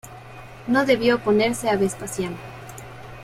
No debió oponerse a Vespasiano.